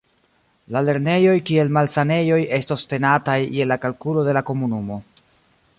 La lernejoj kaj malsanejoj estos tenataj je la kalkulo de la komunumo.